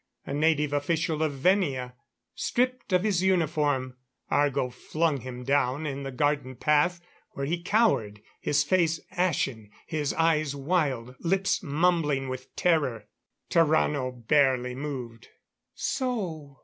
A native official of Venia, stripped of his uniform. Argo flung him down in the garden path, where he cowered, his face ashen, his eyes wild, lips mumbling with terror. Tarrano barely moved. "So?